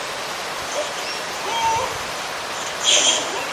El Grupo Mundial es el nivel que exige el más alto rendimiento.